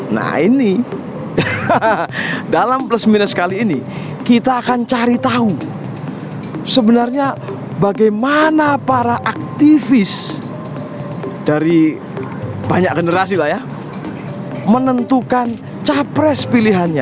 nah ini dalam plus minus kali ini kita akan cari tahu sebenarnya bagaimana para aktivis dari banyak generasi lah ya menentukan capres pilihannya